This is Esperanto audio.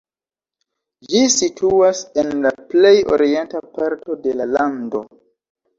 Ĝi situas en la plej orienta parto de la lando.